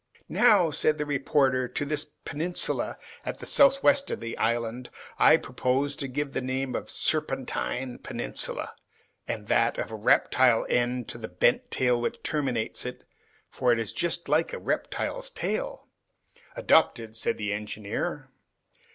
"Now," said the reporter, "to this peninsula at the southwest of the island, I propose to give the name of Serpentine Peninsula, and that of Reptile end to the bent tail which terminates it, for it is just like a reptile's tail." "Adopted," said the engineer.